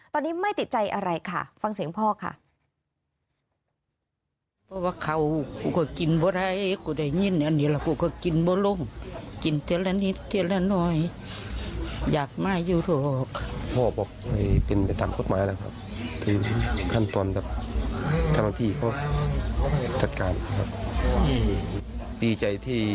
ตอนนี้ไม่ติดใจอะไรค่ะฟังเสียงพ่อค่ะ